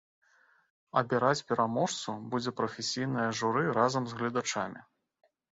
Абіраць пераможцу будзе прафесійнае журы разам з гледачамі.